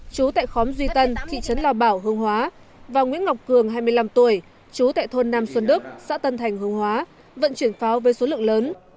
chú tại khóm duy tân thị trấn lao bảo hương hóa và nguyễn ngọc cường hai mươi năm tuổi chú tại thôn nam xuân đức xã tân thành hương hóa vận chuyển pháo với số lượng lớn